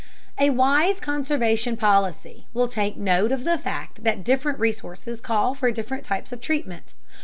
A wise conservation policy will take note of the fact that different resources call for different types of treatment.